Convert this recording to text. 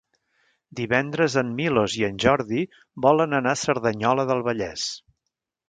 Divendres en Milos i en Jordi volen anar a Cerdanyola del Vallès.